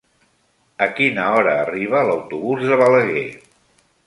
A quina hora arriba l'autobús de Balaguer?